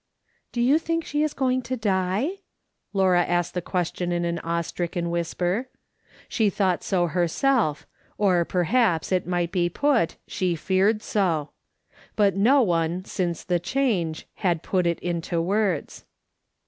" Do you think she is going to die ?" J.aura asked the question in an awe stricken whisper. She thought so herself, or, perhaps it might be put, she feared so ; but no one, since the change, had put it into words.